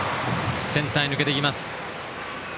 センターへ抜けていきます。